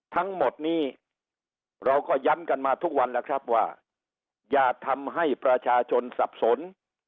ทั้งหมดนี้เราก็ย้ำกันมาทุกวันแล้วครับว่าอย่าทำให้ประชาชนสับสน